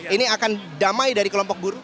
ini akan damai dari kelompok buruh